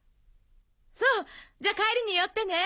そうじゃ帰りに寄ってね。